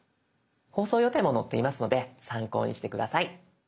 放送予定も載っていますので参考にして下さい。